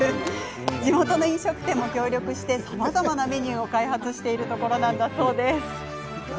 地元の飲食店も協力してさまざまなメニューを開発しているところなんだそうです。